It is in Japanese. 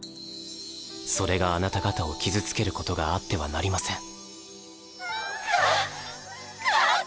それがあなた方を傷つけることがあってはなりません。